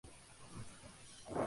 Habita en el sur de Corea.